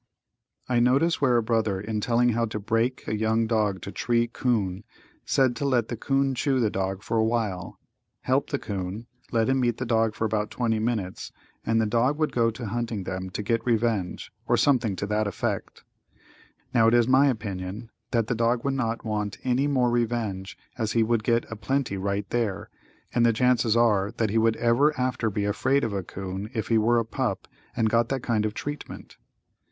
I notice where a brother, in telling how to break a young dog to tree 'Coon said, to let the 'coon chew the dog for a while, help the 'coon, let him eat the dog for about 20 minutes and the dog would go to hunting them to get revenge, or something to that effect. Now it is my opinion that the dog would not want any more revenge as he would get a plenty right there, and the chances are that he would ever after be afraid of a 'coon, if he were a pup and got that kind of treatment.